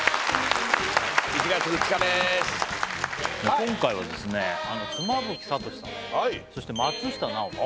今回はですね妻夫木聡さんそして松下奈緒さん